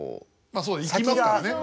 まあそう生きますからね。